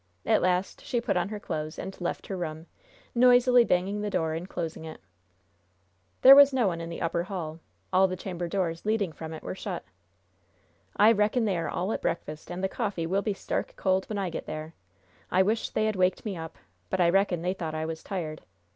At last she put on her clothes, and left her room, noisily banging the door in closing it. There was no one in the upper hall. All the chamber doors leading from it were shut. "I reckon they are all at breakfast, and the coffee will be stark cold when I get there. I wish they had waked me up, but I reckon they thought I was tired.